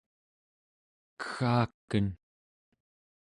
keggaken